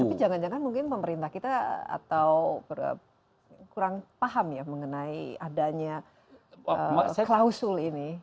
tapi jangan jangan mungkin pemerintah kita atau kurang paham ya mengenai adanya klausul ini